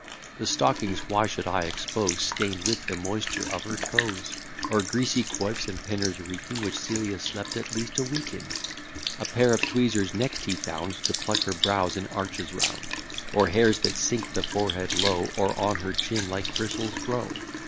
The stockings why should I expose, Stain'd with the moisture of her toes, Or greasy coifs, and pinners reeking, Which Celia slept at least a week in? A pair of tweezers next he found, To pluck her brows in arches round; Or hairs that sink the forehead low, Or on her chin like bristles grow.